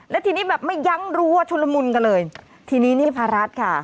แล้วทีนี้แบบไม่ยั้งรู้ว่าชุลมุนกันเลยทีนี้นี่พารัฐค่ะ